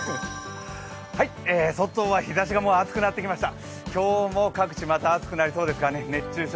外は日ざしがもう暑くなってきました。